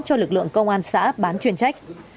cho lực lượng công an xã bán chuyên trách